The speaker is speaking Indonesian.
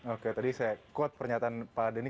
oke tadi saya quote pernyataan pak denny